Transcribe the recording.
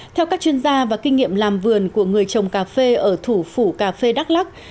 theo các chuyên gia và kinh nghiệm làm vườn của người trồng cà phê ở thủ phủ cà phê đắk lắc